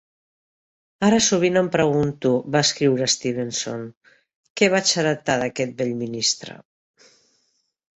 "Ara sovint em pregunto", va escriure Stevenson, "què vaig heretar d'aquest vell ministre.